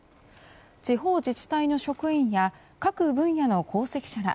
地方自治体の職員や各分野の功績者ら